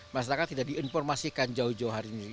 masyarakat tidak diinformasikan jauh jauh hari ini